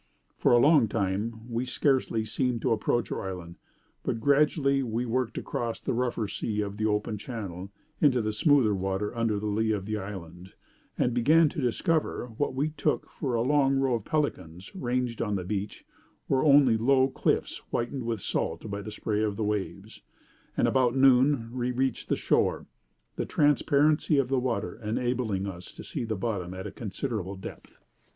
For a long time we scarcely seemed to approach our island, but gradually we worked across the rougher sea of the open channel, into the smoother water under the lee of the island, and began to discover that what we took for a long row of pelicans, ranged on the beach, were only low cliffs whitened with salt by the spray of the waves; and about noon we reached the shore, the transparency of the water enabling us to see the bottom at a considerable depth.